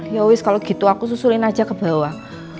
yowis kalau gitu aku susulin aja ke bawah